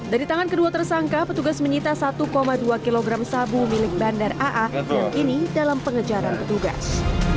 dari tangan kedua tersangka petugas menyita satu dua kg sabu milik bandar aa yang kini dalam pengejaran petugas